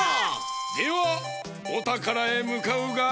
ではおたからへむかうがよい！